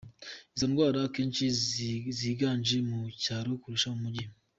Izo ndwara akenshi ziganje mu cyaro kurusha mu mijyi.